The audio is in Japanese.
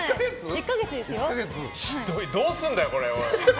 どうすんだよ、これ。